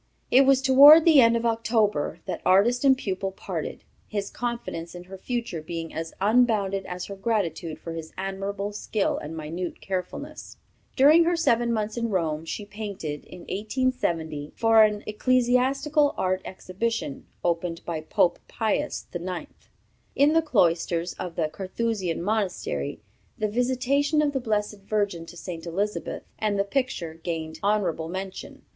It was toward the end of October that artist and pupil parted, his confidence in her future being as unbounded as her gratitude for his admirable skill and minute carefulness." During her seven months in Rome she painted, in 1870, for an ecclesiastical art exhibition, opened by Pope Pius IX., in the cloisters of the Carthusian Monastery, the "Visitation of the Blessed Virgin to St. Elizabeth," and the picture gained honorable mention.